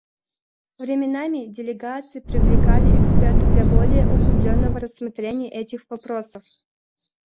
Временами делегации привлекали экспертов для более углубленного рассмотрения этих вопросов.